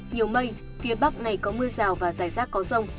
nhiều mây phía bắc ngày có mưa rào và rải rác có rông